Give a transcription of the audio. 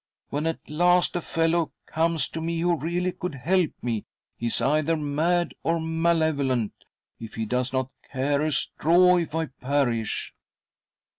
"When at last a fellow comes to me, who really could help me, he is either mad or malevolent, if he does not care a. straw if I perish."